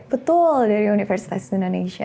betul dari universitas indonesia